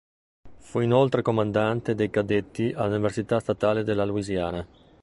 Fu inoltre comandante dei cadetti all'Università statale della Louisiana.